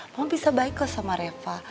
memang bisa baik kok sama reva